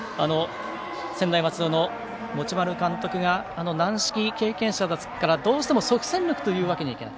専大松戸の持丸監督が軟式経験者だからどうしても即戦力というわけにはいかない。